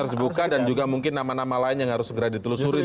harus dibuka dan juga mungkin nama nama lain yang harus segera ditelusuri